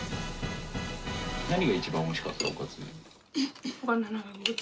何が一番おいしかった？